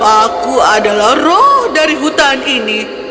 aku adalah roh dari hutan ini